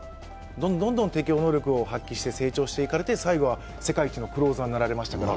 どんどん適応能力を発揮して成長していかれて、最後は世界一のクローザーになられましたから